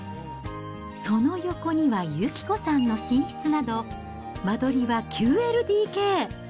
その横には幸子さんの寝室など、間取りは９ＬＤＫ。